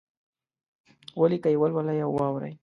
ولیکئ، ولولئ او واورئ!